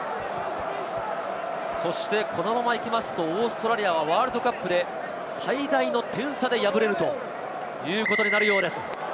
そしてこのままいくとオーストラリアはワールドカップで最大の点差で敗れるということになるようです。